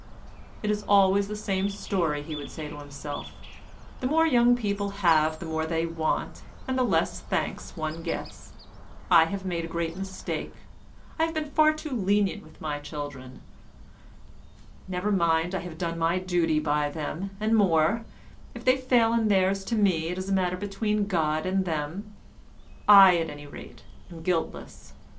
"It is always the same story," he would say to himself, "the more young people have the more they want, and the less thanks one gets; I have made a great mistake; I have been far too lenient with my children; never mind, I have done my duty by them, and more; if they fail in theirs to me it is a matter between God and them. I, at any rate, am guiltless.